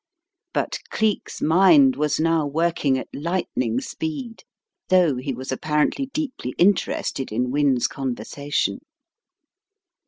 But Cleek's mind was now working at lightning speed, though he was apparently deeply interested in Wynne's conversation.